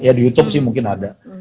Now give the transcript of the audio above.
ya di youtube sih mungkin ada